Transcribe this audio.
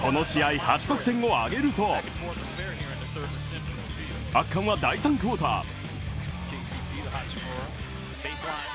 この試合初得点を挙げると、圧巻は第３クォーター。